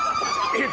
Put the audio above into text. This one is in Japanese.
えっ？